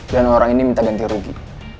dan orang ini minta ganti rugi